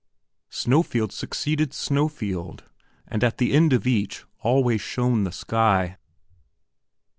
Snowfield succeeded snowfield, and at the end of each always shone the sky.